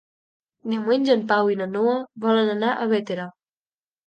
Diumenge en Pau i na Noa volen anar a Bétera.